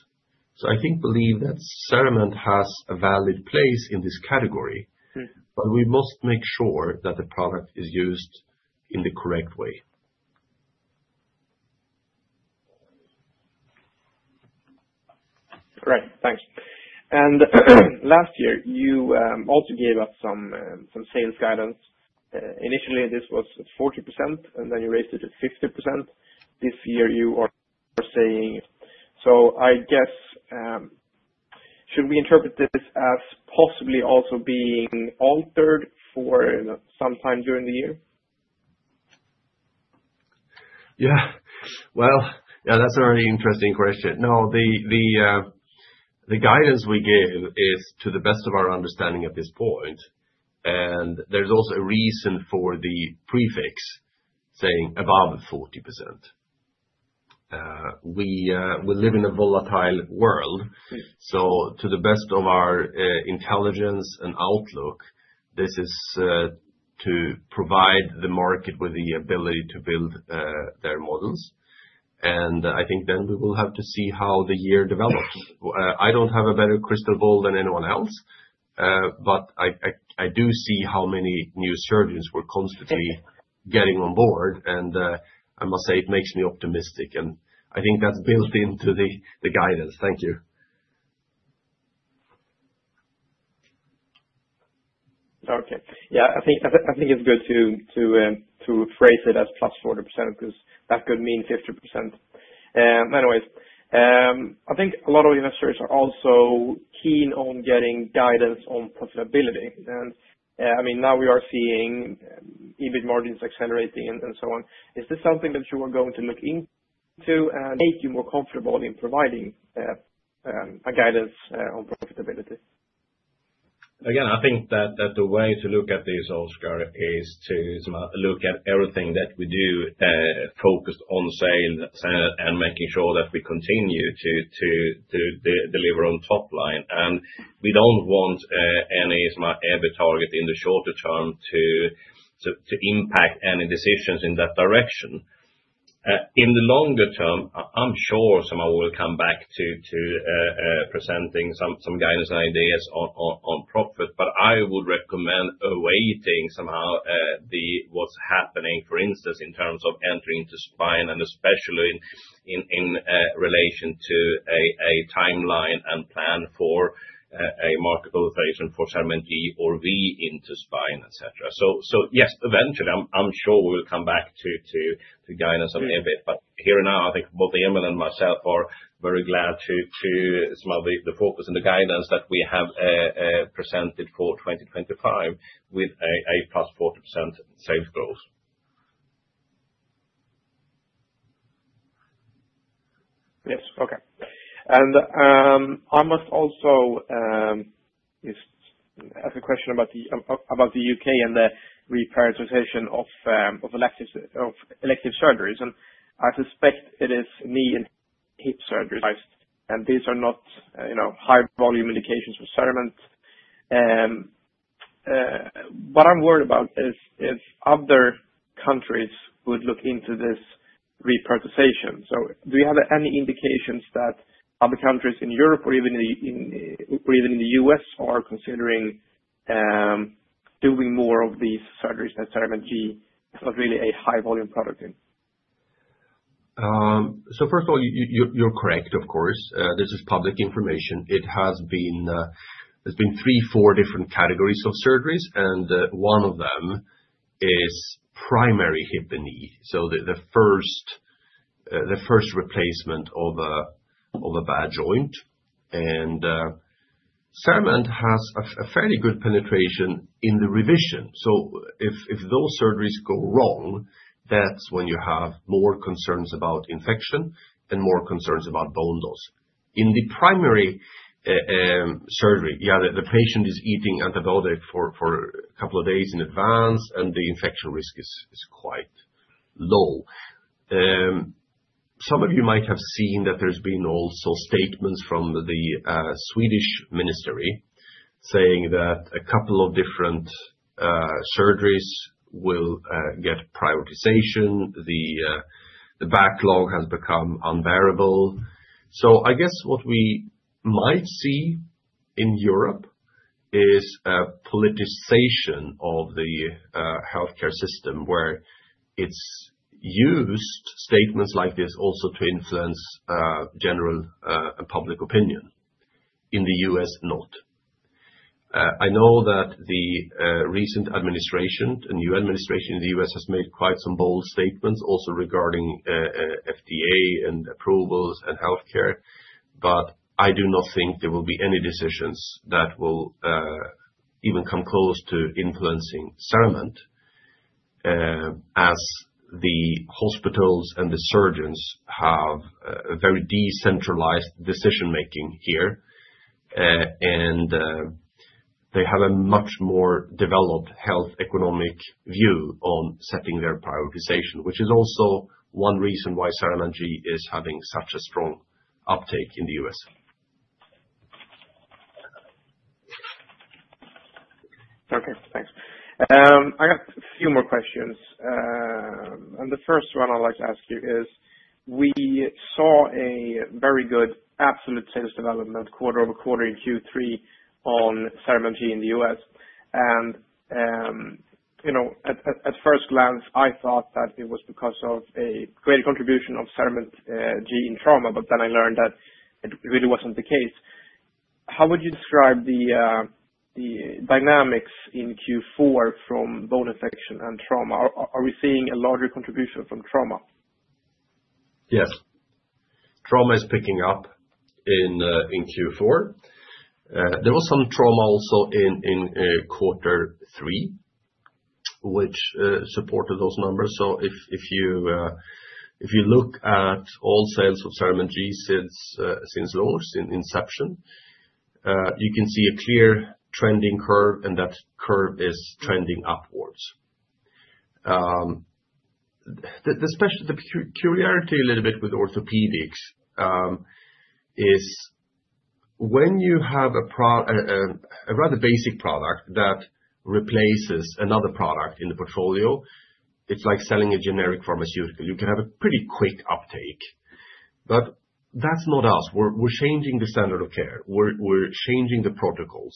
[SPEAKER 2] So I think, believe that CERAMENT has a valid place in this category, but we must make sure that the product is used in the correct way.
[SPEAKER 8] Right. Thanks. Last year, you also gave us some sales guidance. Initially, this was 40%, and then you raised it to 50%. This year, you are saying. I guess, should we interpret this as possibly also being altered for some time during the year?
[SPEAKER 2] Yeah. Yeah, that's a very interesting question. No, the guidance we give is to the best of our understanding at this point. There's also a reason for the prefix saying above 40%. We live in a volatile world. To the best of our intelligence and outlook, this is to provide the market with the ability to build their models. I think then we will have to see how the year develops. I don't have a better crystal ball than anyone else, but I do see how many new surgeons we're constantly getting on board. I must say it makes me optimistic. And I think that's built into the guidance.
[SPEAKER 8] Thank you. Okay. Yeah, I think it's good to phrase it as +40% because that could mean 50%. Anyways, I think a lot of investors are also keen on getting guidance on profitability. And I mean, now we are seeing EBIT margins accelerating and so on. Is this something that you are going to look into and make you more comfortable in providing guidance on profitability?
[SPEAKER 3] Again, I think that the way to look at this, Oscar, is to look at everything that we do focused on sales and making sure that we continue to deliver on top line. And we don't want any EBIT target in the shorter term to impact any decisions in that direction. In the longer term, I'm sure someone will come back to presenting some guidance and ideas on profit, but I would recommend awaiting somehow what's happening, for instance, in terms of entering into spine, and especially in relation to a timeline and plan for a market authorization for CERAMENT G or V into spine, etc. So yes, eventually, I'm sure we'll come back to guidance on EBIT. But here and now, I think both Emil and myself are very glad to see the focus and the guidance that we have presented for 2025 with a plus 40% sales growth.
[SPEAKER 8] Yes. Okay. And I must also just ask a question about the UK and the reprioritization of elective surgeries. And I suspect it is knee and hip surgeries, and these are not high-volume indications for CERAMENT. What I'm worried about is if other countries would look into this reprioritization. Do you have any indications that other countries in Europe or even in the U.S. are considering doing more of these surgeries that CERAMENT G is not really a high-volume product in?
[SPEAKER 9] First of all, you're correct, of course. This is public information. It has been three, four different categories of surgeries, and one of them is primary hip and knee. The first replacement of a bad joint. CERAMENT has a fairly good penetration in the revision. If those surgeries go wrong, that's when you have more concerns about infection and more concerns about bone loss. In the primary surgery, yeah, the patient is eating antibiotics for a couple of days in advance, and the infection risk is quite low. Some of you might have seen that there's been also statements from the Swedish Ministry saying that a couple of different surgeries will get prioritization. The backlog has become unbearable. I guess what we might see in Europe is a politicization of the healthcare system where it's used statements like this also to influence general public opinion. In the US, not. I know that the recent administration, the new administration in the US, has made quite some bold statements also regarding FDA and approvals and healthcare. But I do not think there will be any decisions that will even come close to influencing CERAMENT as the hospitals and the surgeons have a very decentralized decision-making here. And they have a much more developed health economic view on setting their prioritization, which is also one reason why CERAMENT G is having such a strong uptake in the US. Okay. Thanks. I have a few more questions.
[SPEAKER 8] The first one I'd like to ask you is we saw a very good absolute sales development quarter over quarter in Q3 on CERAMENT G in the US. At first glance, I thought that it was because of a greater contribution of CERAMENT G in trauma, but then I learned that it really wasn't the case. How would you describe the dynamics in Q4 from bone infection and trauma? Are we seeing a larger contribution from trauma?
[SPEAKER 2] Yes. Trauma is picking up in Q4. There was some trauma also in quarter three, which supported those numbers. If you look at all sales of CERAMENT G since launch, since inception, you can see a clear trending curve, and that curve is trending upwards. The peculiarity a little bit with orthopedics is when you have a rather basic product that replaces another product in the portfolio, it's like selling a generic pharmaceutical. You can have a pretty quick uptake. But that's not us. We're changing the standard of care. We're changing the protocols.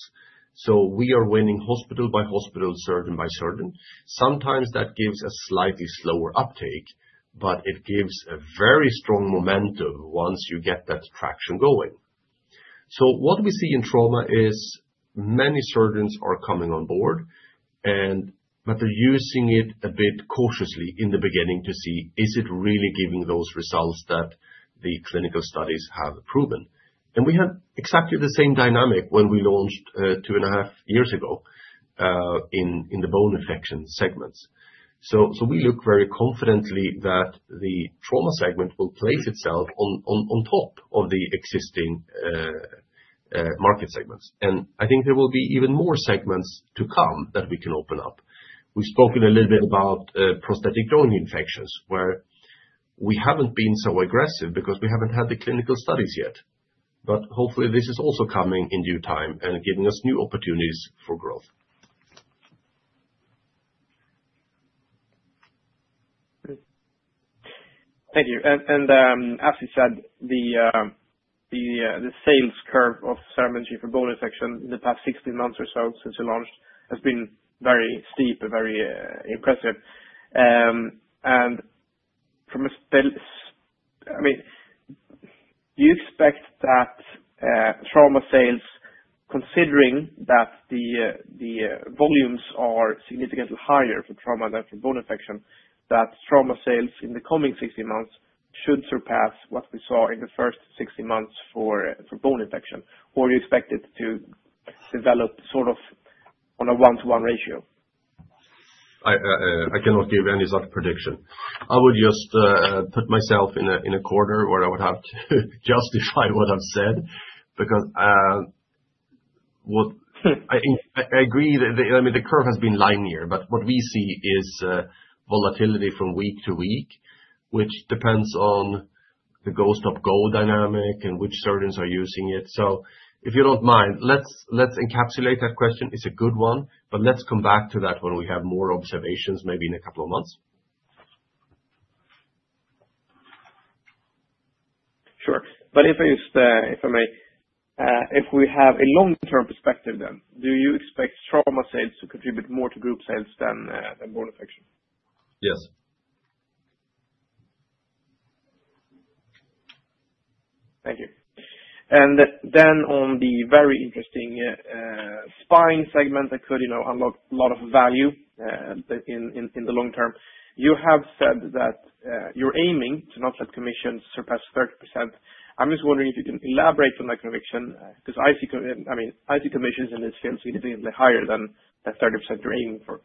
[SPEAKER 2] So we are winning hospital by hospital, surgeon by surgeon. Sometimes that gives a slightly slower uptake, but it gives a very strong momentum once you get that traction going. So what we see in trauma is many surgeons are coming on board, but they're using it a bit cautiously in the beginning to see, is it really giving those results that the clinical studies have proven? And we had exactly the same dynamic when we launched two and a half years ago in the bone infection segments. So we look very confidently that the trauma segment will place itself on top of the existing market segments. And I think there will be even more segments to come that we can open up. We've spoken a little bit about prosthetic joint infections where we haven't been so aggressive because we haven't had the clinical studies yet. But hopefully, this is also coming in due time and giving us new opportunities for growth.
[SPEAKER 8] Thank you. And as you said, the sales curve of CERAMENT G for bone infection in the past 16 months or so since you launched has been very steep, very impressive. From a sales, I mean, do you expect that trauma sales, considering that the volumes are significantly higher for trauma than for bone infection, that trauma sales in the coming 16 months should surpass what we saw in the first 16 months for bone infection? Or are you expected to develop sort of on a one-to-one ratio?
[SPEAKER 2] I cannot give any such prediction. I would just put myself in a corner where I would have to justify what I've said because I agree that the curve has been linear, but what we see is volatility from week to week, which depends on the go-stop-go dynamic and which surgeons are using it. So if you don't mind, let's encapsulate that question. It's a good one, but let's come back to that when we have more observations, maybe in a couple of months.
[SPEAKER 8] Sure. But if I may, if we have a long-term perspective then, do you expect trauma sales to contribute more to group sales than bone infection?
[SPEAKER 2] Yes. Thank you. And then on the very interesting spine segment that could unlock a lot of value in the long term, you have said that you're aiming to not let commissions surpass 30%. I'm just wondering if you can elaborate on that conviction because I see commissions in this field significantly higher than that 30% you're aiming for.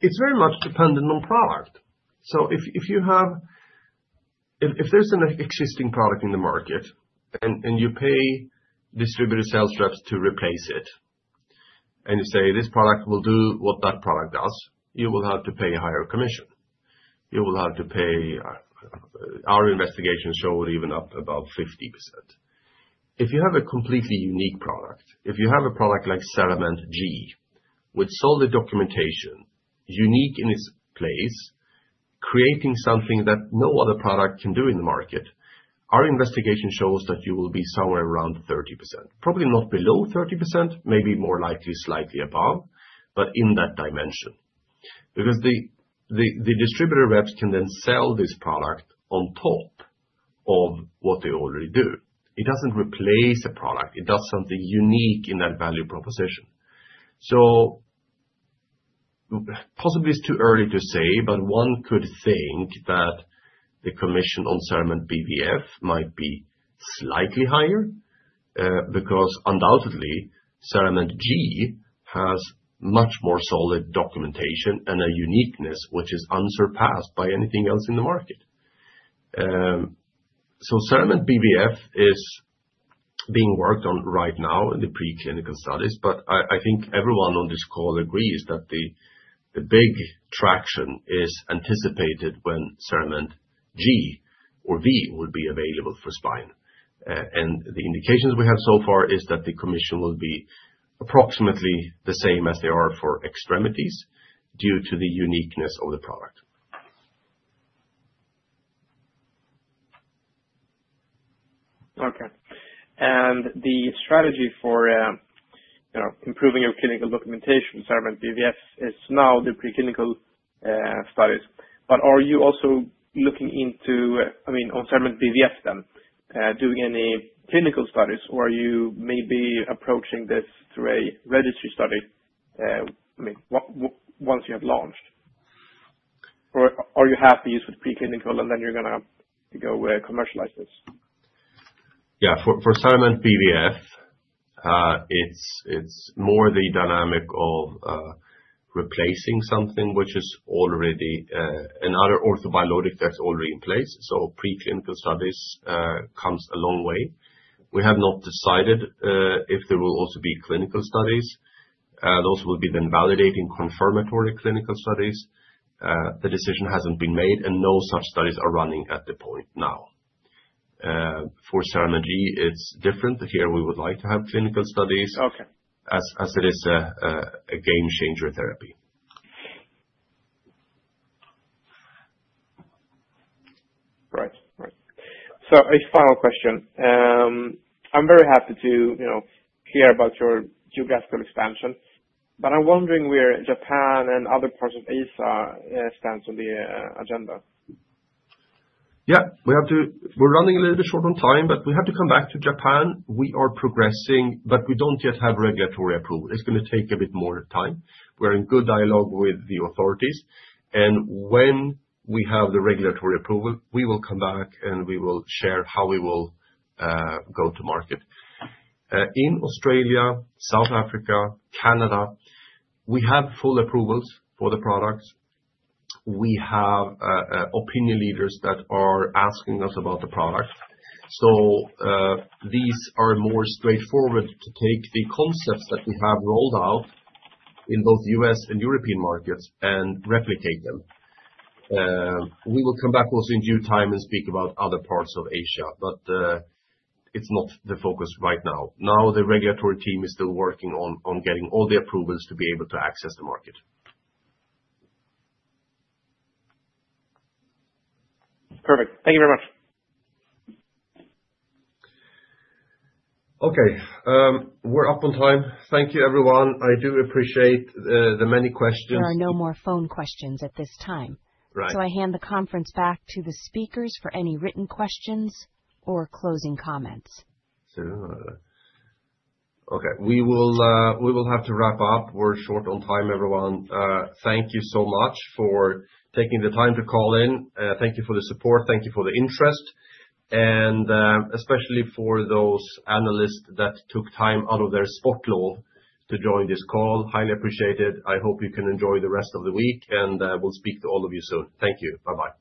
[SPEAKER 2] It's very much dependent on product. So if there's an existing product in the market and you pay distributor sales reps to replace it, and you say, "This product will do what that product does," you will have to pay a higher commission. You will have to pay. Our investigation showed even up above 50%. If you have a completely unique product, if you have a product like CERAMENT G with solid documentation, unique in its place, creating something that no other product can do in the market, our investigation shows that you will be somewhere around 30%. Probably not below 30%, maybe more likely slightly above, but in that dimension. Because the distributor reps can then sell this product on top of what they already do. It doesn't replace a product. It does something unique in that value proposition. So possibly it's too early to say, but one could think that the commission on CERAMENT BVF might be slightly higher because undoubtedly, CERAMENT G has much more solid documentation and a uniqueness which is unsurpassed by anything else in the market. CERAMENT BVF is being worked on right now in the preclinical studies, but I think everyone on this call agrees that the big traction is anticipated when CERAMENT G or V will be available for spine. And the indications we have so far is that the commission will be approximately the same as they are for extremities due to the uniqueness of the product.
[SPEAKER 8] Okay. And the strategy for improving your clinical documentation with CERAMENT BVF is now the preclinical studies. But are you also looking into, I mean, on CERAMENT BVF then, doing any clinical studies, or are you maybe approaching this through a registry study once you have launched? Or are you happy with preclinical, and then you're going to go commercialize this?
[SPEAKER 2] Yeah. For CERAMENT BVF, it's more the dynamic of replacing something which is already another orthobiologic that's already in place. So preclinical studies come a long way. We have not decided if there will also be clinical studies. Those will be then validating confirmatory clinical studies. The decision hasn't been made, and no such studies are running at the point now. For CERAMENT G, it's different. Here, we would like to have clinical studies as it is a game-changer therapy.
[SPEAKER 8] Right. Right. So a final question. I'm very happy to hear about your geographical expansion, but I'm wondering where Japan and other parts of Asia stand on the agenda.
[SPEAKER 2] Yeah. We're running a little bit short on time, but we have to come back to Japan. We are progressing, but we don't yet have regulatory approval. It's going to take a bit more time. We're in good dialogue with the authorities. When we have the regulatory approval, we will come back, and we will share how we will go to market. In Australia, South Africa, Canada, we have full approvals for the products. We have opinion leaders that are asking us about the product. So these are more straightforward to take the concepts that we have rolled out in both US and European markets and replicate them. We will come back also in due time and speak about other parts of Asia, but it's not the focus right now. Now, the regulatory team is still working on getting all the approvals to be able to access the market.
[SPEAKER 8] Perfect. Thank you very much.
[SPEAKER 2] Okay. We're up on time. Thank you, everyone. I do appreciate the many questions.
[SPEAKER 1] There are no more phone questions at this time. So I hand the conference back to the speakers for any written questions or closing comments.
[SPEAKER 2] Okay. We will have to wrap up. We're short on time, everyone. Thank you so much for taking the time to call in. Thank you for the support. Thank you for the interest. And especially for those analysts that took time out of their schedule load to join this call. Highly appreciate it. I hope you can enjoy the rest of the week, and we'll speak to all of you soon. Thank you. Bye-bye.